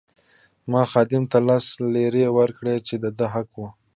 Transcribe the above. ما خادم ته لس لیرې ورکړې چې د ده حق وو.